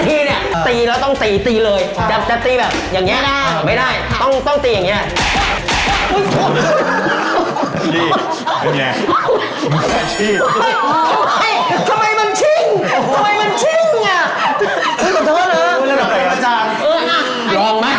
เนี้ยตีแล้วต้องตีตีเลยแบบแบบอย่างเงี้ยไม่ได้ต้องตีอย่างเงี้ย